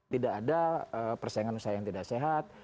tidak ada persaingan usaha yang tidak sehat